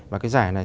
và cái giải này